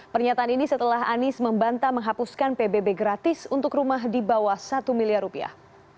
pernyataan ini setelah anies membantah menghapuskan pbb gratis untuk rumah di bawah satu miliar rupiah